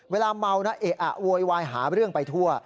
เวลาเมานะเอะอะโวยวายหาเรื่องไปทั่ว